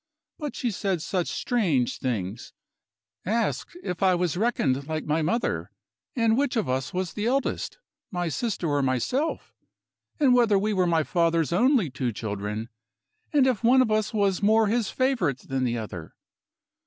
But she said such strange things asked if I was reckoned like my mother, and which of us was the eldest, my sister or myself, and whether we were my father's only two children, and if one of us was more his favorite than the other.